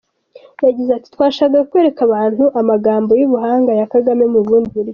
Yagize ati “Twashakaga kwereka abantu amagambo y’ubuhanga ya Kagame mu bundi buryo.